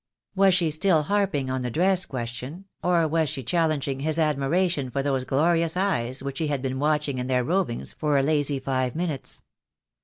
Was she still harping on the dress question, or was she challenging his admiration for those glorious eyes which he had been watching in their rovings for a lazy five minutes.